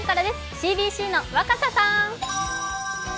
ＣＢＣの若狭さん。